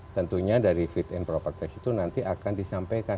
tentunya dari fit and proper test itu nanti akan disampaikan